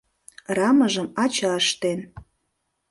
Рамыжым ача ыштен.